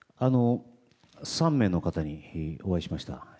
３名の方にお会いしました。